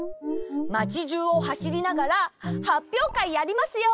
まちじゅうをはしりながら「はっぴょうかいやりますよ！」